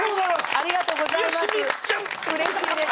ありがとうございます。